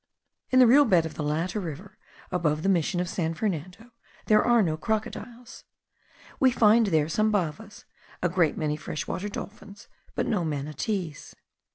In the real bed of the latter river, above the mission of San Fernando, there are no crocodiles: we find there some bavas, a great many fresh water dolphins, but no manatees.